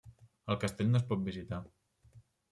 El castell no es pot visitar.